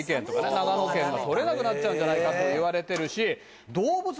長野県が採れなくなっちゃうんじゃないかといわれてるし。